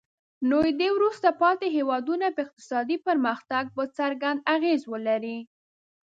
نو د وروسته پاتې هیوادونو په اقتصادي پرمختګ به څرګند اغیز ولري.